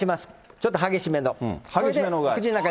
ちょっと激しめの。